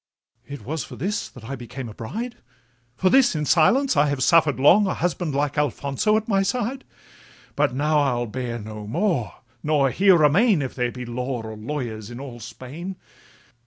It was for this that I became a bride! For this in silence I have suffer'd long A husband like Alfonso at my side; But now I'll bear no more, nor here remain, If there be law or lawyers in all Spain.